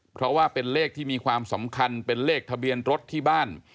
เพราะว่าเป็นเลขที่มีความสำคัญเป็นเลขทะเบียนรถที่บ้าน